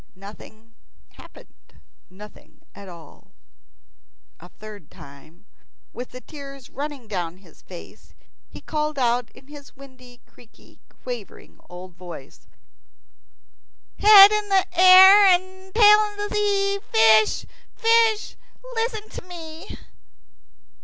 Nothing happened, nothing at all. A third time, with the tears running down his face, he called out in his windy, creaky, quavering old voice, "Head in air and tail in sea, Fish, fish, listen to me."